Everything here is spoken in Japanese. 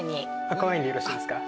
赤ワインでよろしいですか？